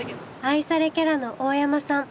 愛されキャラの大山さん。